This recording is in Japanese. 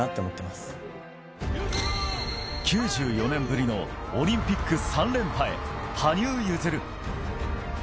９４年ぶりのオリンピック３連覇へ、羽生結弦。